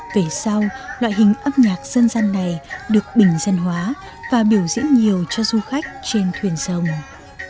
về sau loại hình âm nhạc dân dân này được bình dân hóa và biểu diễn nhiều cho du khách trên thuyền dòng